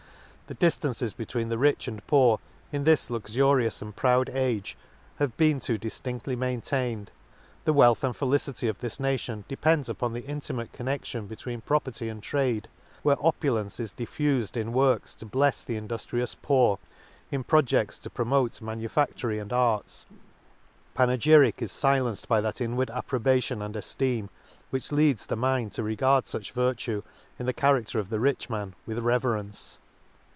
The diftances between the rich and poor, in this luxurious and proud age, have been too diftin6tly main tained. — The wealth and felicity of this nation depends upon the intimate con nection between property and trade. — Where opulence is diffufed in works to blefs the induftrious poor, in projects to promote manufactory and arts, panegy ric is filenced by that inward 'approbation and efteem, which leads the mind to re gard fuch virtue, in the character of the rich man, with reverence.